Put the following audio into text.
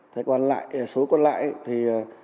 thế còn lại số còn lại thì